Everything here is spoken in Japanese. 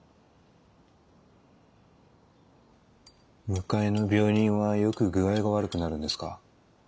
向かいの病人はよく具合が悪くなるんですか？